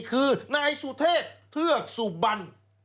คือนายสุเทพเทือกสุบัน